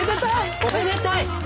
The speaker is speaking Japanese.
おめでたい！